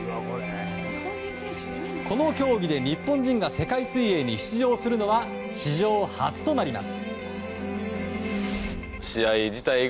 この競技で日本人が世界水泳に出場するのは史上初となります。